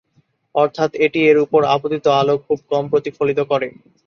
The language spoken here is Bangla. অর্থাৎ এটি এর উপর আপতিত আলো খুব কম প্রতিফলিত করে।